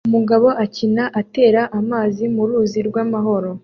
Umugabo akina atera amazi mu ruzi rwamahoro